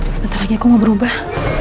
sebentar lagi aku mau berubah